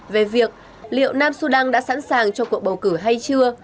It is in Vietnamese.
về việc liệu nam sudan đã sẵn sàng cho cuộc bầu cử hay chưa